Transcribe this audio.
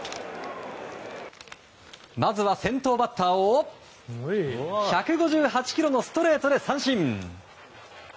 まずは先頭バッターを１５８キロのストレートで三振。